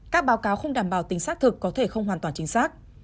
các báo cáo không đảm bảo tính xác thực có thể không hoàn toàn chính xác